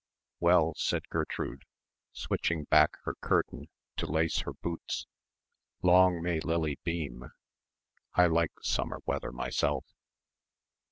"Well," said Gertrude, switching back her curtain to lace her boots. "Long may Lily beam. I like summer weather myself."